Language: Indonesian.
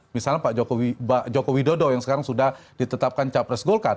misalnya pak joko widodo yang sekarang sudah ditetapkan capres golkar